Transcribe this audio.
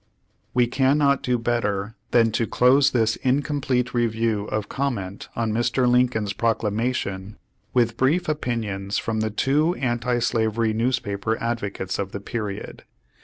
Page One Hundred seven We can not do better then to close this incom plete review of comment on Mr. Lincoln's Procla mation, with brief opinions from the two anti slavery newspaper advocates of the period.